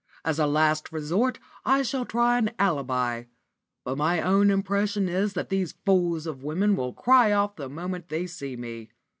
As a last resort I shall try an alibi. But my own impression is that these fools of women will cry off the moment they see me.